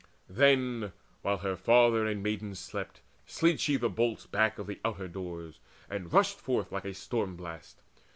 Then, while her father and her maidens slept, She slid the bolts back of the outer doors, And rushed forth like a storm blast.